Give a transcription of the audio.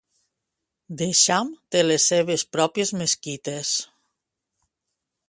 The Cham té les seves pròpies mesquites.